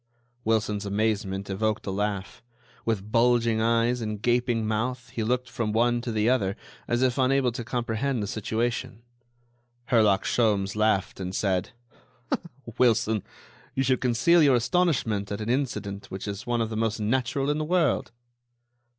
Wilson's amazement evoked a laugh. With bulging eyes and gaping mouth, he looked from one to the other, as if unable to comprehend the situation. Herlock Sholmes laughed and said: "Wilson, you should conceal your astonishment at an incident which is one of the most natural in the world."